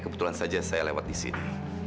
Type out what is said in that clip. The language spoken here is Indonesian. kebetulan saja saya lewat di sini